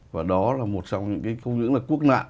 và đó là một trong những cái không những là quốc nạn